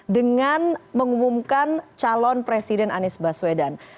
dengan mengumumkan calon presiden anies baswedan